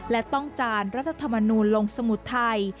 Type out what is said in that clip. และต้องจานรัฐธรรมนูลลงสมุดไทย